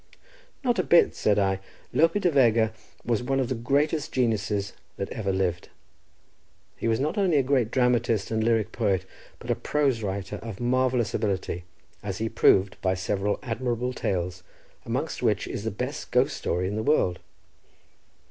"Not a bit," said I; "Lope de Vega was one of the greatest geniuses that ever lived. He was not only a great dramatist and lyric poet, but a prose writer of marvellous ability, as he proved by several admirable tales, amongst which is the best ghost story in the world."